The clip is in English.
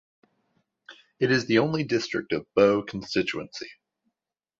It is the only district of Boe Constituency.